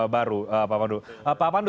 baru pak pandu pak pandu